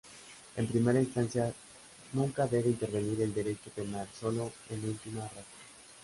En primera instancia nunca debe intervenir el Derecho Penal, sólo en última ratio.